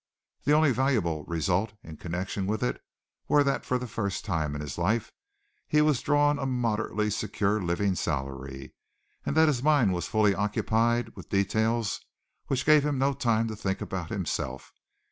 The only valuable results in connection with it were that for the first time in his life he was drawing a moderately secure living salary, and that his mind was fully occupied with details which gave him no time to think about himself.